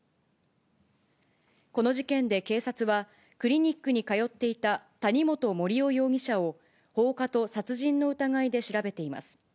この事件で警察は、クリニックに通っていた谷本盛雄容疑者を放火と殺人の疑いで調べています。